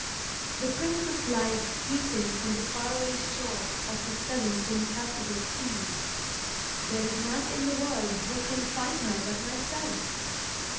The princess lies sleeping on the far away shore of the seven impassable seas. There is none in the world who can find her but myself.